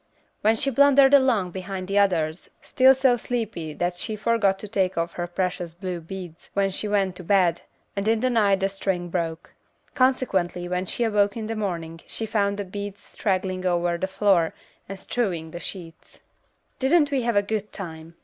Then she blundered along behind the others, still so sleepy that she forgot to take off her precious blue beads when she went to bed, and in the night the string broke; consequently when she awoke in the morning she found the beads straggling over the floor and strewing the sheets. "Didn't we have a good time?"